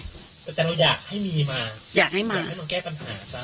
แต่เราอยากให้มีมาอยากให้มันแก้ปัญหา